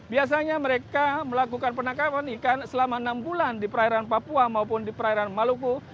biasanya mereka melakukan penangkapan ikan selama enam bulan di perairan papua maupun di perairan maluku